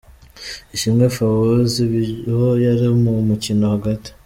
Ishimwe Fauzi ubwo yari mu mukino hagati.